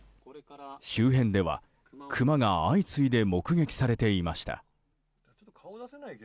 周辺ではクマが相次いで目撃されていました。